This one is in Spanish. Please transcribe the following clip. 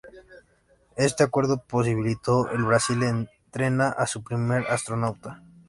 Este acuerdo posibilitó el Brasil entrenar a su primer astronauta.